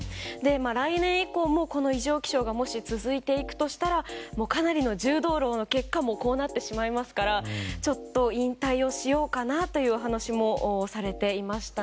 来年以降もこの異常気象がもし続いていくとしたらかなりの重労働の結果こうなってしまうのでちょっと引退をしようかなという話もされていました。